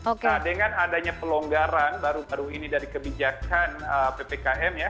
nah dengan adanya pelonggaran baru baru ini dari kebijakan ppkm ya